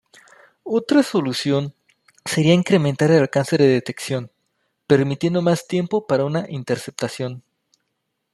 Otra solución sería incrementar el alcance de detección, permitiendo más tiempo para una interceptación.